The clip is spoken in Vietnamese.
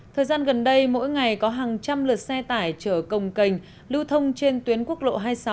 thời gian gần đây mỗi ngày có hàng trăm lượt xe tải chở công cành lưu thông trên tuyến quốc lộ hai mươi sáu